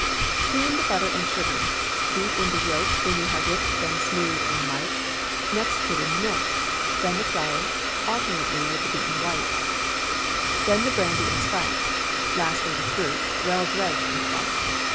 Cream the butter and sugar; beat in the yolks when you have whipped them smooth and light; next put in the milk; then the flour, alternately with the beaten whites; then the brandy and spice; lastly the fruit, well dredged with flour.